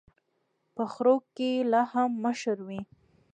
په خرو کي لا هم مشر وي.